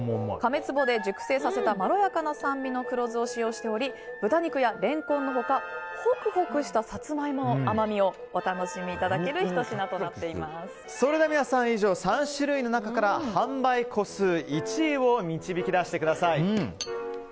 甕つぼで熟成させたまろやかな酸味の黒酢を使用しており豚肉やレンコンの他ホクホクしたサツマイモの甘みをお楽しみいただけるそれでは以上３種類の中から販売個数１位を導き出してください。